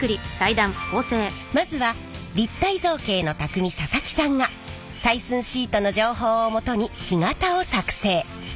まずは立体造形のたくみ佐々木さんが採寸シートの情報をもとに木型を作製。